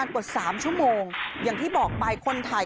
กลุ่มน้ำเบิร์ดเข้ามาร้านแล้ว